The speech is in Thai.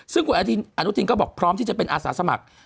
ซึ่งคุณอนุทินก็บอกพร้อมที่จะเป็นอาสาสมัคร